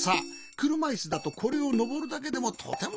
くるまいすだとこれをのぼるだけでもとてもたいへんなんじゃぞ。